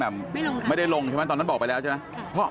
แต่ไม่ได้ลงใช่ไหมตอนนั้นบอกไปแล้วใช่ไหม